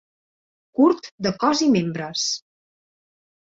Curt de cos i membres.